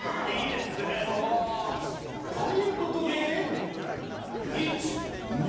ということで１２。